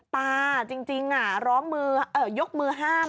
ตาจริงจริงน่ะร้องมืออ่ะยกมือห้าม